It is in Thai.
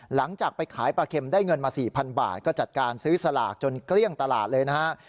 หลังจากไปขายปลาเข็มได้เงินมา๔๐๐บาทก็จัดการซื้อสลากจนเกลี้ยงตลาดเลยนะฮะ